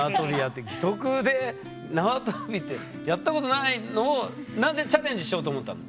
義足でなわとびってやったことないのをなぜチャレンジしようと思ったの？